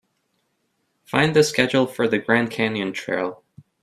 Find the schedule for Grand Canyon Trail.